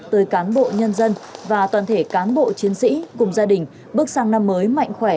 tới cán bộ nhân dân và toàn thể cán bộ chiến sĩ cùng gia đình bước sang năm mới mạnh khỏe